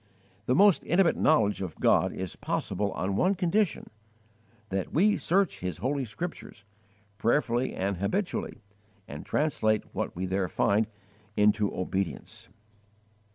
The most intimate knowledge of God is possible on one condition that we search His Holy Scriptures, prayerfully and habitually, and translate what we there find, into obedience.